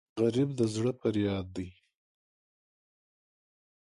غریب د زړه فریاد دی